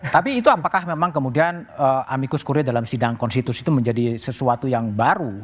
tapi itu apakah memang kemudian amicus kurir dalam sidang konstitusi itu menjadi sesuatu yang baru